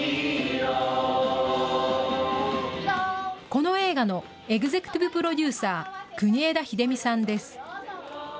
この映画のエグゼクティブプロデュ−サー、国枝秀美さんです。